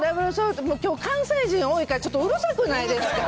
きょう関西人が多いから、ちょっとうるさくないですか？